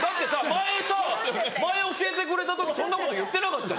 前さ前教えてくれた時そんなこと言ってなかったじゃん。